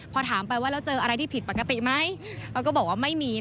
พอถามไปว่าแล้วเจออะไรที่ผิดปกติไหม